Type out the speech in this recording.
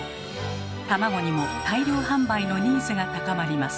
卵にも大量販売のニーズが高まります。